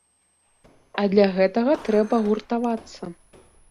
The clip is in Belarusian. А для гэтага трэба гуртавацца.